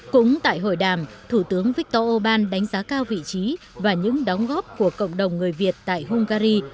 cũng tại hội đàm thủ tướng viktor orbán đánh giá cao vị trí và những đóng góp của cộng đồng người việt tại hungary